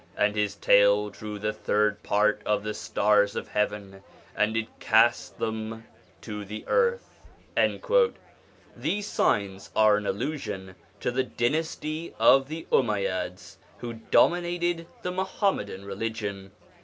And his tail drew the third part of the stars of heaven, and did cast them to the earth.' These signs are an allusion to the dynasty of the Umayyads who domin ated the Muhammadan religion.